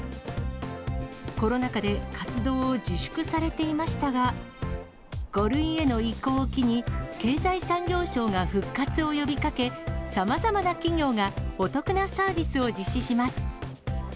コロナ禍で活動を自粛されていましたが、５類への移行を機に、経済産業省が復活を呼びかけ、さまざまな企業がお得なサービスを実施します。